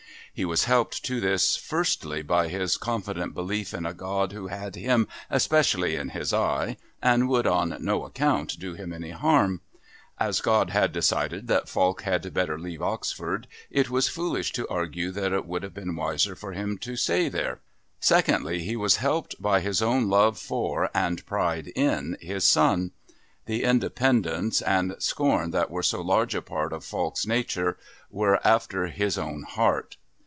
He was helped to this firstly by his confident belief in a God who had him especially in His eye and would, on no account, do him any harm. As God had decided that Falk had better leave Oxford, it was foolish to argue that it would have been wiser for him to stay there. Secondly, he was helped by his own love for, and pride in, his son. The independence and scorn that were so large a part of Falk's nature were after his own heart.